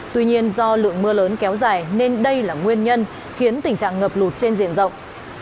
tuy nhiên do lượng mưa lớn kéo dài nên đây là nguyên nhân khiến tình trạng ngập lụt trên diện rộng